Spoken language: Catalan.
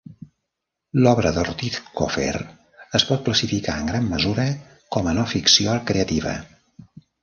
L'obra d'Ortiz Cofer es pot classificar en gran mesura com a no ficció creativa.